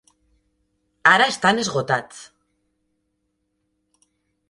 Ara estan esgotats.